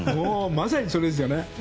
まさにそれですよね。